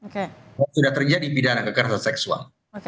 kalau sudah terjadi pidana kekerasan seksual